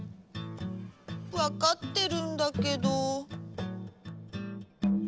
わかってるんだけど。